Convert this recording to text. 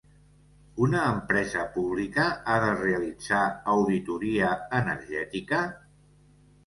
Una empresa pública ha de realitzar auditoria energètica?